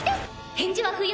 返事は不要。